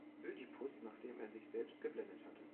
Ödipus, nachdem er sich selbst geblendet hatte.